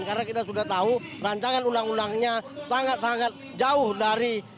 karena kita sudah tahu rancangan undang undangnya sangat sangat jauh dari